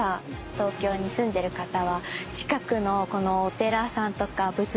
東京に住んでる方は近くのお寺さんとか仏像さん